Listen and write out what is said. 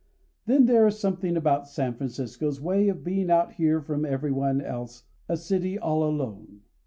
Then there is something about San Francisco's being away out here from everyone else, a city all alone.